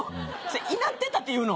「いなってた」って言うの？